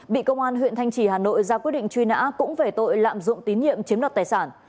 bị công an huyện thanh trì hà nội ra quyết định truy nã cũng về tội lạm dụng tín nhiệm chiếm đoạt tài sản